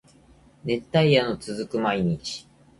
熱帯夜の続く毎日